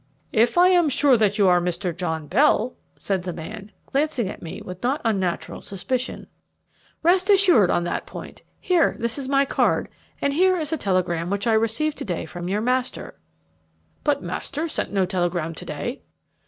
"If I am sure that you are Mr. John Bell," said the old man, glancing at me with not unnatural suspicion. "Rest assured on that point. Here, this is my card, and here is a telegram which I received to day from your master." "But master sent no telegram to day."